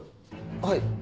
はい。